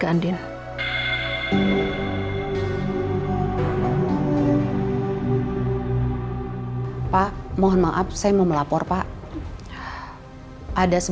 karina mau ketemu sama andien